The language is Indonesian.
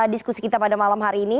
diskusi kita pada malam hari ini